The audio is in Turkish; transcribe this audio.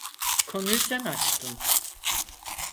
Konuyu sen açtın.